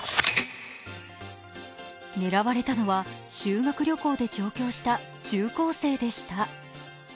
狙われたのは修学旅行で上京した中高生でした。